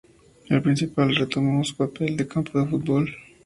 El principal retomó su papel de campo de fútbol.